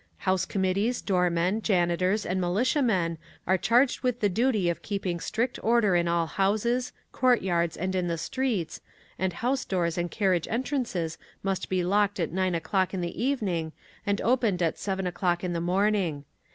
House Committees, doormen, janitors and Militiamen are charged with the duty of keeping strict order in all houses, courtyards and in the streets, and house doors and carriage entrances must be locked at 9 o'clock in the evening, and opened at 7 o'clock in the morning.